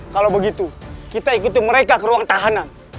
kalau begitu kita ikuti mereka ke ruang tahanan